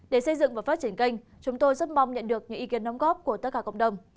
để xây dựng và phát triển kênh chúng tôi rất mong nhận được những ý kiến đóng góp của tất cả cộng đồng